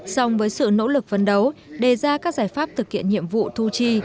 song với sự nỗ lực phấn đấu đề ra các giải pháp thực hiện nhiệm vụ thu chi